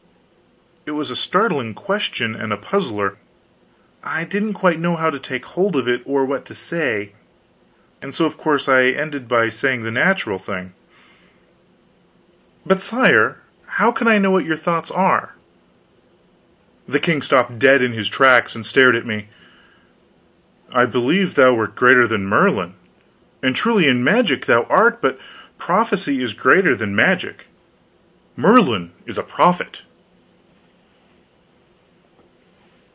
It was a startling question, and a puzzler. I didn't quite know how to take hold of it, or what to say, and so, of course, I ended by saying the natural thing: "But, sire, how can I know what your thoughts are?" The king stopped dead in his tracks, and stared at me. "I believed thou wert greater than Merlin; and truly in magic thou art. But prophecy is greater than magic. Merlin is a prophet."